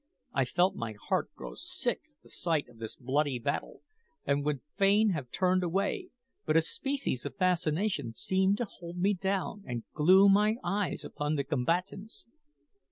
I felt my heart grow sick at the sight of this bloody battle, and would fain have turned away; but a species of fascination seemed to hold me down and glue my eyes upon the combatants.